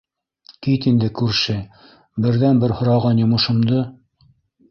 Кит инде, күрше, берҙән-бер һораған йомошомдо...